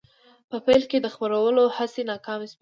په پیل کې د خپرولو هڅې ناکامې شوې.